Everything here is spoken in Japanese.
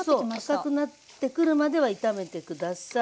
赤くなってくるまでは炒めて下さい。